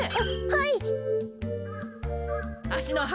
はい。